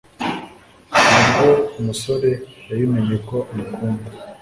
nibwo umusore yabimenye ko amukunda